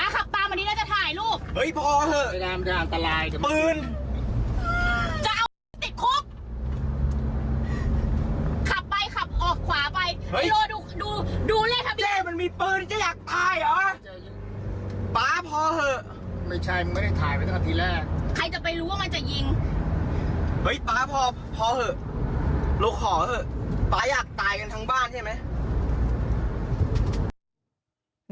หยุดหิวเหอะลกหอเหอะป๊ายอยากตายกันทั้งบ้านใช่ไหม